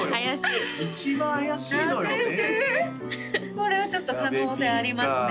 これはちょっと可能性ありますね